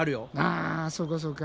あそうかそうか。